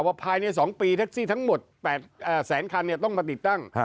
ภายใน๒ปีแท็กซี่ทั้งหมด๘แสนคันต้องมาติดตั้ง